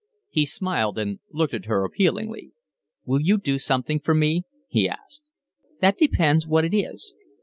He smiled and looked at her appealingly. "Will you do something for me?" he asked. "That depends what it is."